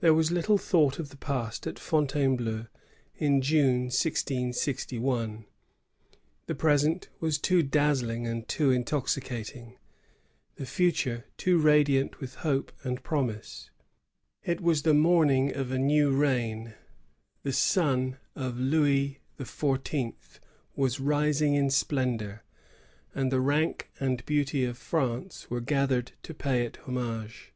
There was little thought of the past at Fontainebleau in Jime, 1661. The present was too dazzling and too intoxicating; the future, too radiant with hope and promise. It was the morning of a new reign; 280 BOYAL INTERVENTION. [166L the sun of Louis XIV. was rising in splendor, and the rank and beauty of France were gathered to pay it homage.